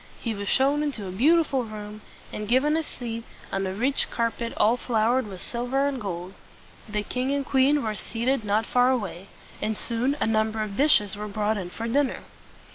He was shown into a beautiful room, and given a seat on a rich carpet all flow ered with silver and gold. The king and queen were seated not far away; and soon a number of dishes were brought in for dinner.